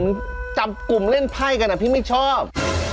มันจับกลุ่มเล่นไพ่กันพี่ไม่ชอบ